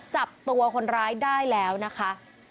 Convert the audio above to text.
จับตัวคนร้ายได้แล้วนะคะ